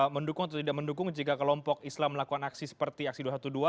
mendukung atau tidak mendukung jika kelompok islam melakukan aksi seperti aksi dua ratus dua belas